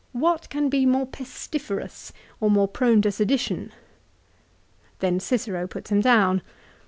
What can be more " pestiferous," or more prone to sedition ? Then Cicero puts him down.